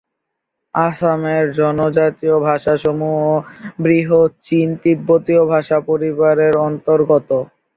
আসামের জনজাতীয় ভাষাসমূহ বৃহৎ চীন-তিব্বতীয় ভাষা পরিবারের অন্তর্গত।